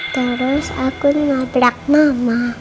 terus aku nabrak mama